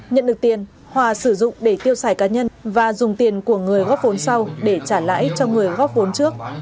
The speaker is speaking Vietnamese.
nhận được tiền hòa sử dụng để tiêu xài cá nhân và dùng tiền của người góp vốn sau để trả lãi cho người góp vốn trước